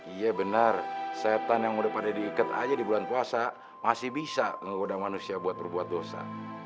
iya benar setan yang udah pada diikat aja di bulan puasa masih bisa menggoda manusia buat berbuat dosa